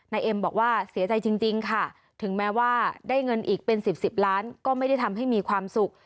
เอ็มบอกว่าเสียใจจริงค่ะถึงแม้ว่าได้เงินอีกเป็น๑๐๑๐ล้านก็ไม่ได้ทำให้มีความสุข